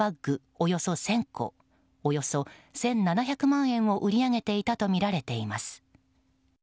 およそ１０００個およそ１７００万円を売り上げていたとみられています。